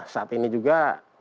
saat ini juga